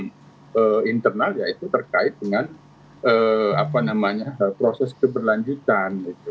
hambatan yang internal ya itu terkait dengan proses keberlanjutan